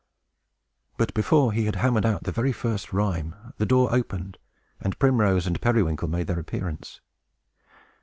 But, before he had hammered out the very first rhyme, the door opened, and Primrose and Periwinkle made their appearance.